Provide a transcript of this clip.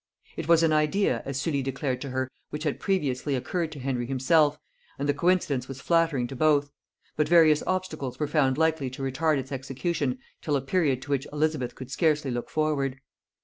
It was an idea, as Sully declared to her, which had previously occurred to Henry himself; and the coincidence was flattering to both; but various obstacles were found likely to retard its execution till a period to which Elizabeth could scarcely look forward.